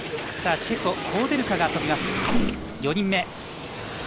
チェコ、コウデルカが飛びます、４人目。